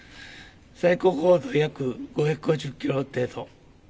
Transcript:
最高高度約５５０キロ程度。